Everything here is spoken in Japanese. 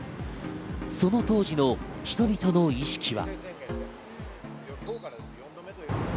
その当時の人々の意識は。